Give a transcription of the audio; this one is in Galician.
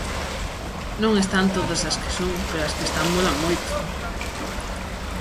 Non están todas as que son, pero as que están molan moito.